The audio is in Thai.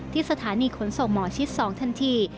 ที่สถานีขนส่งหมอชิด๒ทันที